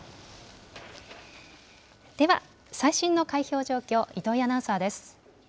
では、最新の開票状況、糸井アナウンサーです。